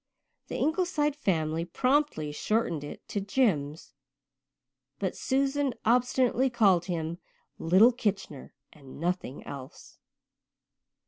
The Ingleside family promptly shortened it to Jims, but Susan obstinately called him "Little Kitchener" and nothing else.